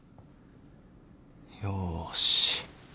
よし。